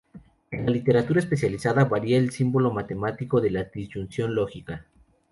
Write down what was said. En la literatura especializada varía el símbolo matemático de la disyunción lógica.